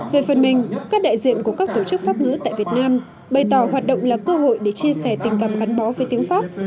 về phần mình các đại diện của các tổ chức pháp ngữ tại việt nam bày tỏ hoạt động là cơ hội để chia sẻ tình cảm gắn bó với tiếng pháp